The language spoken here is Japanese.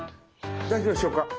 大丈夫でしょうか。